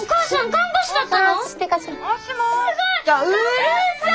看護師だった！